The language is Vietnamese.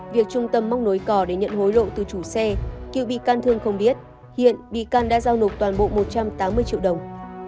việc trung tâm móc nối cò để nhận hối lộ từ chủ xe cựu bị can thương không biết hiện bị can đã giao nộp toàn bộ một trăm tám mươi triệu đồng